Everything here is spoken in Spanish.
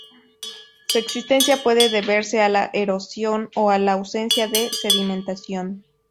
Su existencia puede deberse a la erosión o a la ausencia de sedimentación.